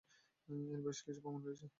এর বেশ কিছু প্রমাণ রয়েছে।